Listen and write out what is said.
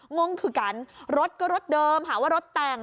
งงคือกันรถก็รถเดิมหาว่ารถแต่ง